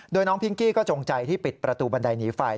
โดยน้องพิงกี้ก็จงใจที่ปิดประตูบันไดหนีไฟ